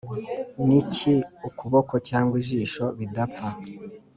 niki ukuboko cyangwa ijisho bidapfa,